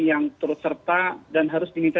yang turut serta dan harus diminta